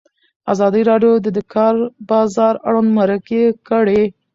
ازادي راډیو د د کار بازار اړوند مرکې کړي.